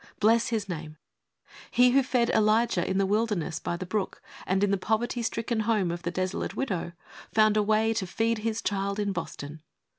Bless His name ! He who fed Elijah in the wilderness by the brook and in the poverty stricken home of the desolate widow, found a way to feed His child in Boston.